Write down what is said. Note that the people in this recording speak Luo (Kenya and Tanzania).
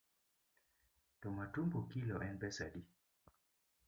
To matumbo kilo en pesa adi?